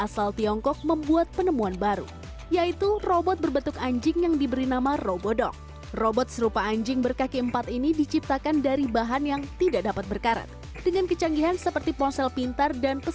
saya juga rindu anda